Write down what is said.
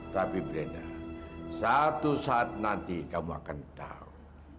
tapi brina satu saat nanti kamu akan tahu